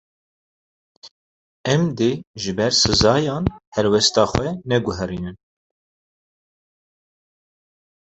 Em dê ji ber sizayan helwesta xwe neguherînin.